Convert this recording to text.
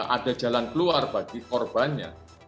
ada jalan keluar bagi korbannya